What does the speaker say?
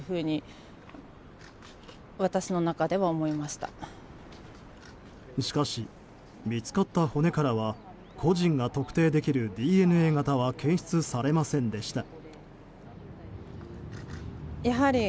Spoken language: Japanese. しかし、見つかった骨からは個人が特定できるＤＮＡ型は検出されませんでした。